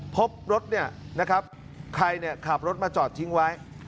พบรถเนี่ยนะครับใครขับรถมาจอดทิ้งไว้